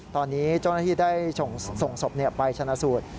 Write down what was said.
ตอนนี้เจ้าหน้าที่ได้ส่งศพไปชนะสูตร